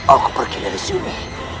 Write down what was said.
aku pergi dari sini